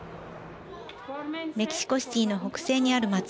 メキシコシティーの北西にある街